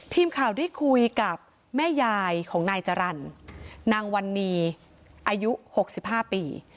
ทีมข่าวได้คุยกับแม่ยายของนายจรรย์นางวันนีอายุ๖๕ปี